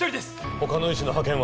他の医師の派遣は？